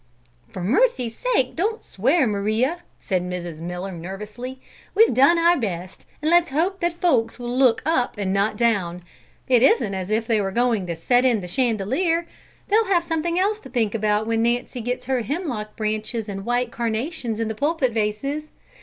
"For mercy's sake, don't swear, Maria," said Mrs. Miller nervously. "We've done our best, and let's hope that folks will look up and not down. It isn't as if they were going to set in the chandelier; they'll have something else to think about when Nancy gets her hemlock branches and white carnations in the pulpit vases.